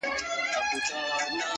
زه د هغه ښار لیدلو ته یم تږی -